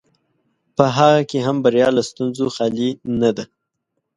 په هغه کې هم بریا له ستونزو خالي نه ده.